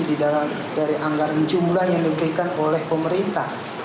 di dalam dari anggaran jumlah yang diberikan oleh pemerintah